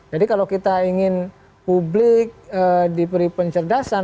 jadi kalau kita ingin publik diberi pencerdasan